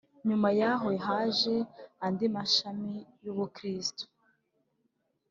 nyuma y'aho haje andi mashami y'ubukristu.